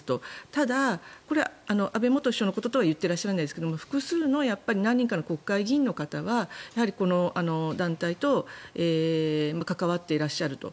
ただ、これ安倍元総理のこととは言っていらっしゃらないですが複数の何人かの国会議員の方はこの団体と関わっていらっしゃると。